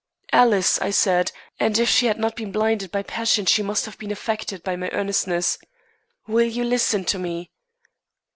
"Alice," I said, and if she had not been blinded by passion she must have been affected by my earnestness, "will you listen to me?"